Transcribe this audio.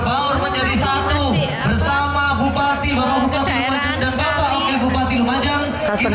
bersama bupati bapak bupati lumajang dan bapak bupati bupati lumajang